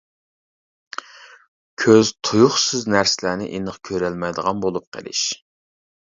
كۆز تۇيۇقسىز نەرسىلەرنى ئېنىق كۆرەلمەيدىغان بولۇپ قېلىش.